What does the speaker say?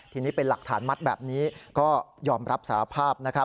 ทีนี้เป็นหลักฐานมัดแบบนี้ก็ยอมรับสารภาพนะครับ